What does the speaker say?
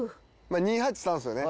２−８−３ですよね。